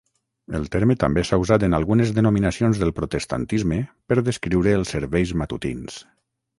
El terme també s'ha usat en algunes denominacions del protestantisme per descriure els serveis matutins.